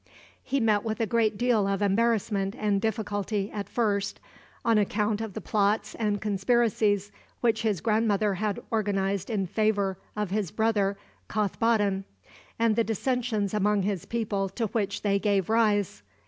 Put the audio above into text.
He met with a great deal of embarrassment and difficulty at first, on account of the plots and conspiracies which his grandmother had organized in favor of his brother Kothboddin, and the dissensions among his people to which they gave rise.